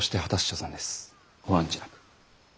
ご案じなく。